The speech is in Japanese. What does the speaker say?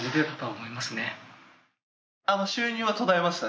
はい。